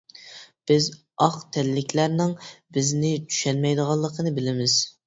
بىز ئاق تەنلىكلەرنىڭ بىزنى چۈشەنمەيدىغانلىقىنى بىلىمىز.